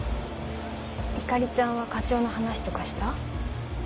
光莉ちゃんは課長の話とかした？